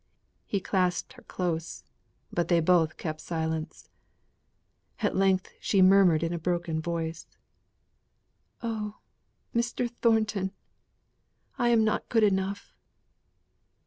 He clasped her close. But they both kept silence. At length she murmured in a broken voice: "Oh, Mr. Thornton, I am not good enough!"